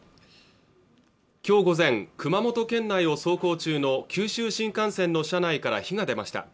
きょう午前熊本県内を走行中の九州新幹線の車内から火が出ました